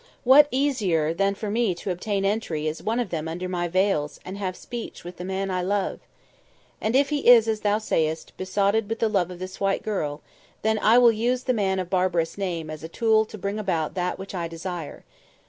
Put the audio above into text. What easier than for me to obtain entry as one of them under my veils and have speech with the man I love? And if he is as thou sayest, besotted with love of this white girl, then will I use the man of barbarous name as a tool to bring about that which I desire.